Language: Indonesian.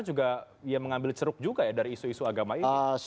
perjanjian betul betul istana juga ya mengambil ceruk juga ya dari isu isu agama ini